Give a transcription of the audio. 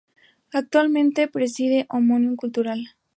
Actualmente preside Òmnium Cultural.